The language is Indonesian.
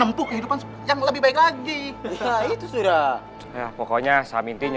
eh bangkuan men